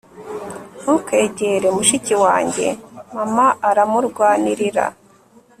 ntukegere, mushiki wanjye, mama aramurwanirira